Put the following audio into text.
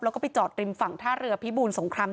แล้วก็ไปจอดริมฝั่งท่าเรือพิบูรสงคราม